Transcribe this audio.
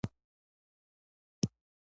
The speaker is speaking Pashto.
چاکلېټ د خوشحالۍ ارزښت لري